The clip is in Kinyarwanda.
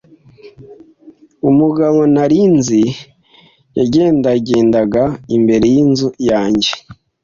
Umugabo ntari nzi yagendagendaga imbere yinzu yanjye.